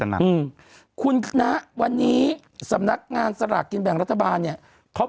น่ะอืมคุณคณะวันนี้สำนักงานสลากกินแบ่งรัฐบาลเนี่ยเขา